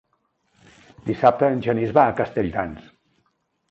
Dissabte en Genís va a Castelldans.